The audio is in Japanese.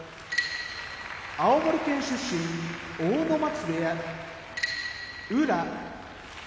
青森県出身阿武松部屋宇良